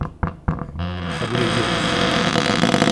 Kabul ediyoruz.